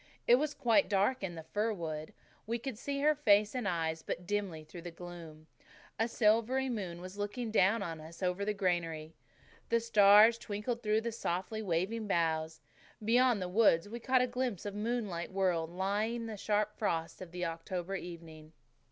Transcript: It was quite dark in the fir wood. We could see her face and eyes but dimly through the gloom. A silvery moon was looking down on us over the granary. The stars twinkled through the softly waving boughs. Beyond the wood we caught a glimpse of a moonlit world lying in the sharp frost of the October evening.